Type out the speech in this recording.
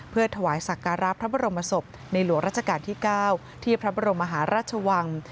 เพื่อถวายสักการะพระบรมศพในหลวงราชการที่๙ที่พระบรมมหาราชวัง